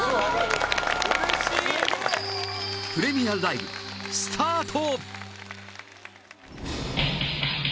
プレミアライブ、スタート！